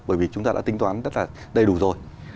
bởi vì chúng ta đã tính toán rất là đầy đủ rồi